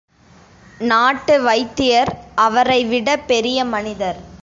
நாட்டு வைத்தியர் அவரைவிட பெரிய மனிதர்.